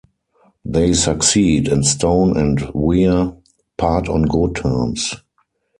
They succeed, and Stone and Wier part on good terms.